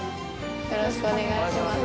よろしくお願いします。